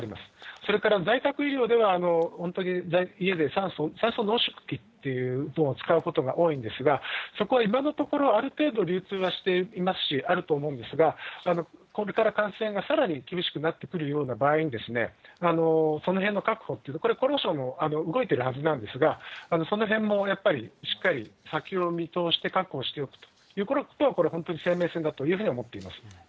それから在宅医療では、本当に家で酸素を、酸素濃縮器というのを使うことが多いんですが、そこは今のところ、ある程度、流通はしていますし、あると思うんですが、これから感染がさらに厳しくなってくるような場合にそのへんの確保、これ、厚労省も動いてるはずなんですが、そのへんもやっぱり、しっかり先を見通して、確保していくということは、これは本当に生命線だというふうに思っております。